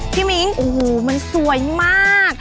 มิ้งโอ้โหมันสวยมาก